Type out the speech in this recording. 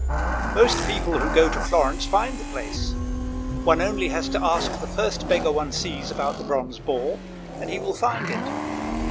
Most people who go to Florence find the place; one only has to ask the first beggar one sees about the bronze boar and he will find it.